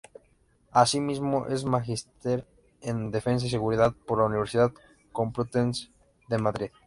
Asimismo es magister en Defensa y Seguridad por la Universidad Complutense de Madrid.